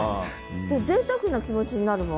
ぜいたくな気持ちになるもん。